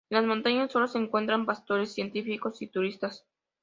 En las montañas solo se encuentran pastores, científicos y turistas.